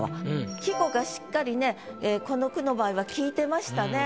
季語がしっかりねこの句の場合は効いてましたね。